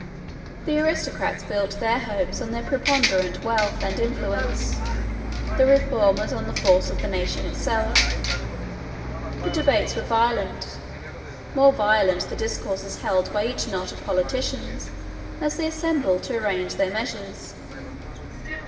The aristocrats built their hopes on their preponderant wealth and influence; the reformers on the force of the nation itself; the debates were violent, more violent the discourses held by each knot of politicians as they assembled to arrange their measures.